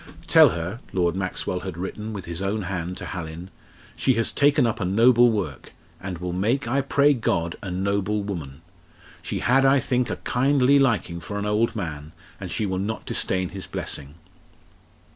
"Tell her," Lord Maxwell had written with his own hand to Hallin, "she has taken up a noble work, and will make, I pray God, a noble woman. She had, I think, a kindly liking for an old man, and she will not disdain his blessing."